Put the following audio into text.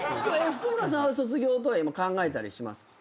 譜久村さんは卒業とか今考えたりしますか？